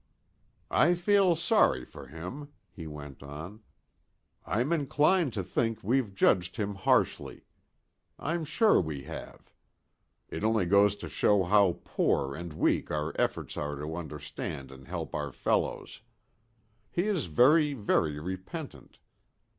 "I feel sorry for him," he went on. "I'm inclined to think we've judged him harshly. I'm sure we have. It only goes to show how poor and weak our efforts are to understand and help our fellows. He is very, very repentant.